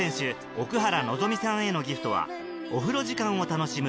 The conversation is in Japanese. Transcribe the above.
奥原希望さんへのギフトはお風呂時間を楽しむ